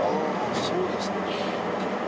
そうですか。